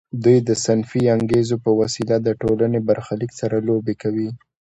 دوی د صنفي انګیزو په وسیله د ټولنې برخلیک سره لوبې کوي